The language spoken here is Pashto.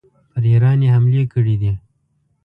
پر ایران یې حملې کړي دي.